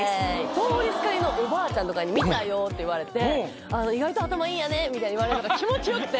通りすがりのおばあちゃんとかに「見たよー」って言われてみたいに言われるのが気持ちよくて。